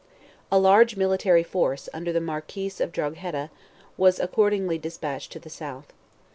A large military force, under the Marquis of Drogheda, was accordingly despatched to the south.